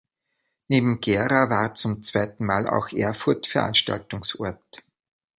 Neben Gera war zum zweiten Mal auch Erfurt Veranstaltungsort.